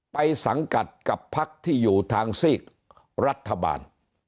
สังกัดกับพักที่อยู่ทางซีกรัฐบาล